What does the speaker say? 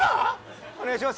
お願いします